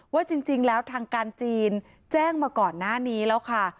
ว่าจริงแล้วทางการจีนแจ้งมาก่อนหน้านี้แล้วค่ะ